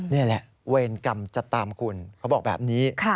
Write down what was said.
นี่แหละเวรกรรมจะตามคุณเขาบอกแบบนี้